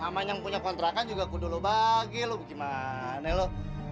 sama yang punya kontrakan juga kudu lo bagi lo gimana lo